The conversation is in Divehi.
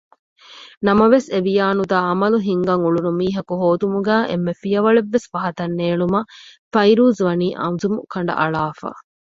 ނަމަވެސް އެވިޔާނުދާ ޢަމަލު ހިންގަން އުޅުނު މީހަކު ހޯދުމުގައި އެންމެ ފިޔަވަޅެއްވެސް ފަހަތަށް ނޭޅުމަށް ފައިރޫޒްވަނީ އަޒުމު ކަނޑައަޅާފަ